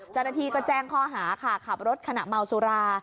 เจ้าหน้าที่ก็แจ้งข้อหาค่ะขับรถขณะเมาสุรา